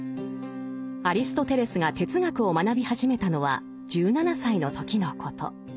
アリストテレスが哲学を学び始めたのは１７歳の時のこと。